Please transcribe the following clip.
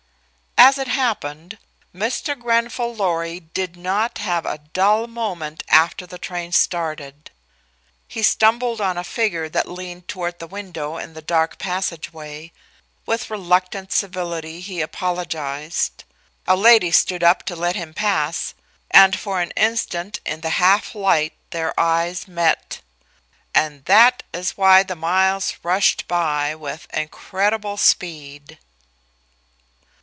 As it happened, Mr. Grenfall Lorry did not have a dull moment after the train started. He stumbled on a figure that leaned toward the window in the dark passageway. With reluctant civility he apologized; a lady stood up to let him pass, and for an instant in the half light their eyes met, and that is why the miles rushed by with incredible speed.